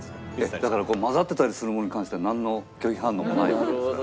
だから混ざってたりするものに関してはなんの拒否反応もないわけですから。